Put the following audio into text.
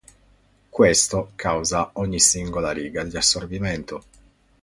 Questo causa ogni singola riga di assorbimento.